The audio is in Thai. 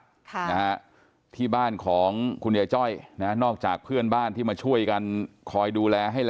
ด้วยนะฮะมีลูกลูกหลานหลานนะมาเยี่ยมมากราบคุณยายจ้อยเดี๋ยวดูบรรยากาศ